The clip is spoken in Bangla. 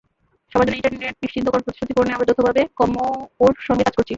সবার জন্য ইন্টারনেট নিশ্চিতকরণ প্রতিশ্রুতি পূরণে আমরা যৌথভাবে কমোয়োর সঙ্গে কাজ করছি।